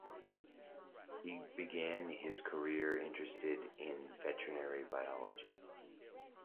He began his career interested in veterinary biology.